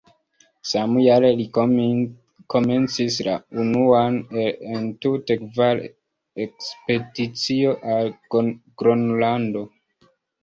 Samjare li komencis la unuan el entute kvar ekspedicioj al Gronlando.